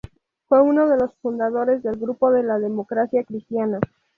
Fue uno de los fundadores del Grupo de la Democracia Cristiana.